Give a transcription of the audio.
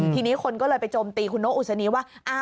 ทีนี้คนก็เลยไปโจมตีคุณนกอุศนีว่า